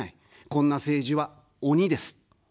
こんな政治は鬼です。